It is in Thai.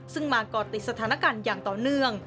ซึ่งมาก่อติดสถานการณ์อย่างต่อเนื่อง